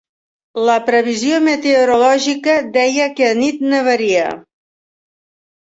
La previsió meteorològica deia que anit nevaria.